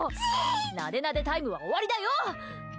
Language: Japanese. なでなでタイムは終わりだよ！